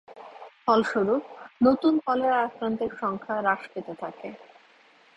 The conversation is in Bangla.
ফলস্বরূপ, নতুন কলেরা আক্রান্তের সংখ্যা হ্রাস পেতে থাকে।